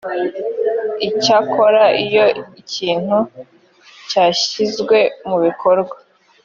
icyakora iyo ikintu cyashyizwe mu bikorwa